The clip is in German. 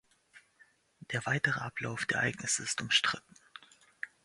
Der weitere Ablauf der Ereignisse ist umstritten.